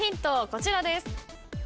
こちらです。